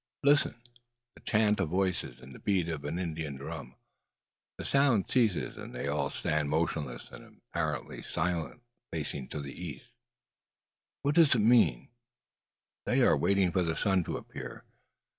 Listen! the chant of voices, and the beat of an Indian drum! The sounds cease, and they all stand motionless and apparently silent, facing to the east. "What does it mean?" "They are waiting for the sun to appear.